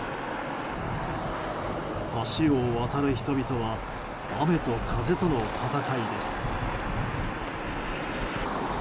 橋を渡る人々は雨と風との闘いです。